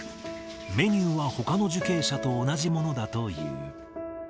メニューはほかの受刑者と同じものだという。